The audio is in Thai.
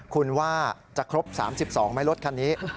คุณว่าจะครบ๓๒ไหมรถคันนี้